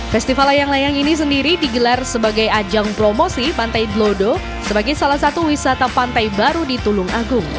festival layang layang ini sendiri digelar sebagai ajang promosi pantai dlodo sebagai salah satu wisata pantai baru di tulung agung